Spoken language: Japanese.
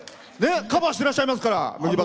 カバーしてらっしゃいますから「麦畑」。